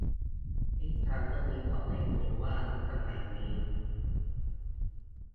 นิทานเรื่องนี้สอนให้รู้ว่ายุคสมัยนี้